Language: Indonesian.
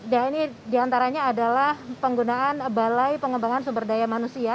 dan ini diantaranya adalah penggunaan balai pengembangan sumber daya manusia